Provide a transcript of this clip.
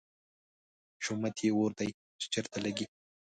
شومت یې اور دی، چې چېرته لګي